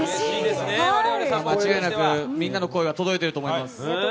間違いなく、みんなの声は届いていると思います。